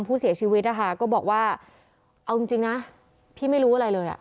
ผู้เสียชีวิตนะคะก็บอกว่าเอาจริงนะพี่ไม่รู้อะไรเลยอ่ะ